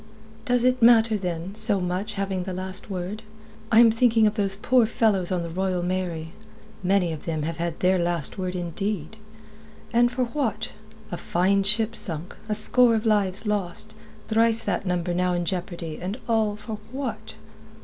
"Does it matter, then, so much, having the last word? I am thinking of those poor fellows on the Royal Mary. Many of them have had their last word, indeed. And for what? A fine ship sunk, a score of lives lost, thrice that number now in jeopardy, and all for what?"